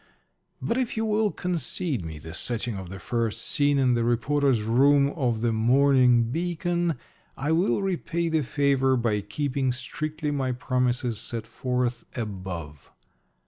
But if you will concede me the setting of the first scene in the reporters' room of the Morning Beacon, I will repay the favor by keeping strictly my promises set forth above.